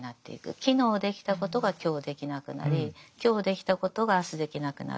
昨日できたことが今日できなくなり今日できたことが明日できなくなる。